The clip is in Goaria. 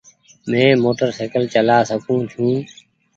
مينٚ موٽرسئيڪل چآلا سڪوُن ڇوٚنٚ